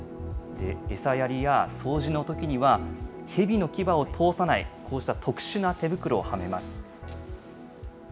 餌やりや掃除のときには、ヘビの牙を通さない、こうした特殊な手袋をはめます。